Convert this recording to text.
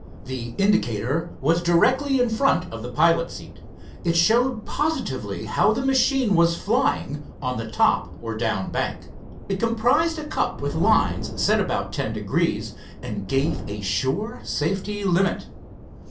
The indicator was directly in front of the pilot seat. It showed positively how the machine was flying, on the top or down bank. It comprised a cup with lines set about ten degrees, and gave a sure safety limit.